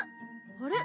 あれ？